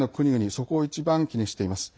そこを一番、気にしています。